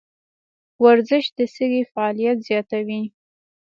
ورزش د سږي فعالیت زیاتوي.